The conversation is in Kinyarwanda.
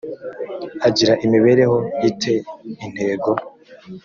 agira imibereho i te intego